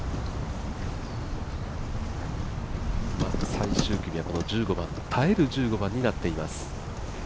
最終組はこの１５番耐える１５番になっています。